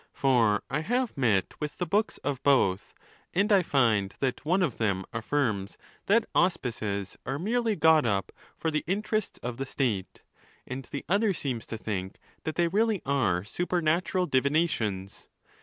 For I have met with the books of both, and I find that one of them affirms that auspices are merely got up for the interests of the state, and the other seems to think that they really are supernatural divinations.